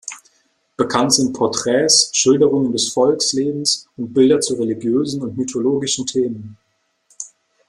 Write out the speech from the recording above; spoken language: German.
Bekannt sind Porträts, Schilderungen des Volkslebens und Bilder zu religiösen und mythologischen Themen.